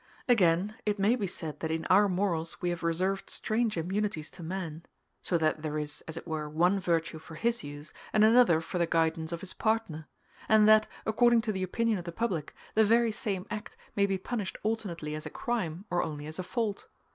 Again, it may be said that in our morals we have reserved strange immunities to man; so that there is, as it were, one virtue for his use, and another for the guidance of his partner; and that, according to the opinion of the public, the very same act may be punished alternately as a crime or only as a fault.